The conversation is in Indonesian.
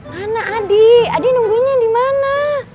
mana adi adi nungguinnya di mana